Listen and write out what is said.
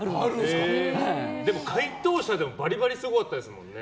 でも回答者でもバリバリすごかったですもんね。